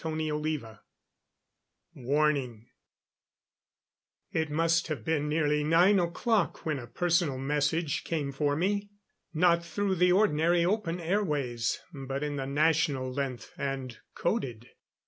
CHAPTER II Warning It must have been nearly nine o'clock when a personal message came for me. Not through the ordinary open airways, but in the National Length, and coded.